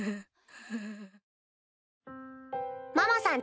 ・ママさん